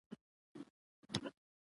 مونږ لوستي رسالې او اخبارونه ټول پردي دي